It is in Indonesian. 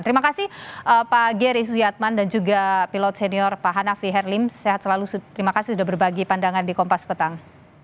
terima kasih pak gery sujatman dan juga pilot senior pak hanafi herlim sehat selalu terima kasih sudah berbagi pandangan di kompas petang